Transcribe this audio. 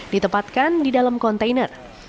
ditempatkan di dalam kontainer